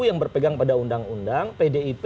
yang berpegang pada undang undang pdip